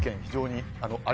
非常に。